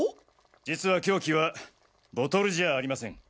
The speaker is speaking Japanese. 実は凶器はボトルじゃありません。